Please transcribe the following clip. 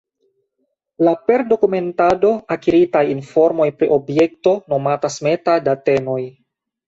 La per dokumentado akiritaj informoj pri objekto nomatas meta-datenoj.